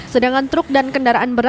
sedangkan truk dan kendaraan berat